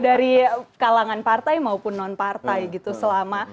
dari kalangan partai maupun non partai gitu selama